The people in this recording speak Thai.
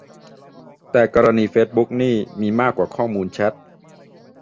แต่กรณีเฟซบุ๊กนี่มีมากกว่าข้อมูลแชต